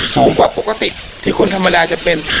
สูงกว่าปกติที่คนธรรมดาจะเป็น